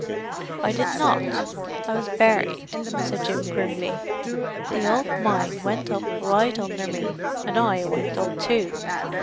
"I did not; I was buried," said Jim grimly. "The old mine went up right under me, and I went up too.